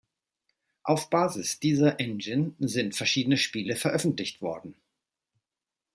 Auf Basis dieser Engine sind verschiedene Spiele veröffentlicht worden.